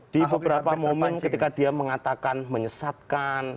di beberapa momen ketika dia mengatakan menyesatkan